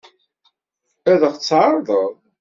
Ad ɣ-tt-tɛeṛḍeḍ?